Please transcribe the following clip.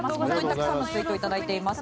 たくさんのツイートをいただいています。